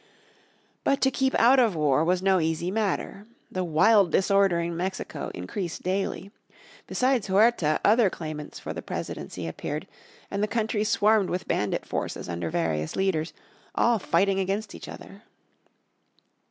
But to keep out of war was no easy matter. The wild disorder in Mexico increased daily. Besides Huerta other claimants for the presidency appeared and the country swarmed with bandit forces under various leaders, all fighting against each other.